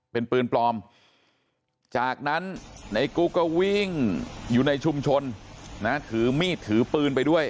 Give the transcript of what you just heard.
เป็นปืนปลอมจากนั้นในกุ๊กก็วิ่งอยู่ในชุมชนนะถือมีดถือปืนไปด้วย